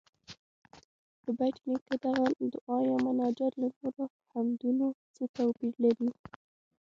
د بېټ نیکه دغه دعا یا مناجات له نورو حمدونو څه توپیر لري؟